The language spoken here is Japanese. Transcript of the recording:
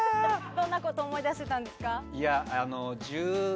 どんなことを思い出してたんですか？